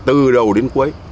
từ đầu đến cuối